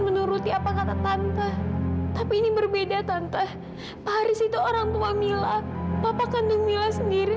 menuruti apa kata tante tapi ini berbeda tante orang tua mila bapak kandung mila sendiri